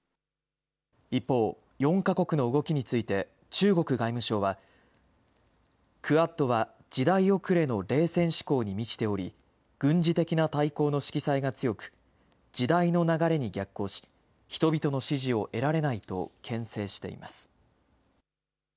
一方、４か国の動きについて中国外務省は、クアッドは時代遅れの冷戦思考に満ちており、軍事的な対抗の色彩が強く、時代の流れに逆行し、人々の支持を得られないとけん制しています。